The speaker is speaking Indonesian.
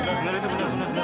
gimana kau baikkan sub uh